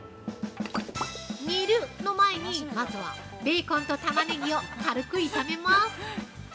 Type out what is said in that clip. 「煮る」の前に、まずはベーコンとタマネギを軽く炒めます。